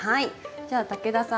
じゃあ武田さん